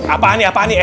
apaan nih apaan nih eh eh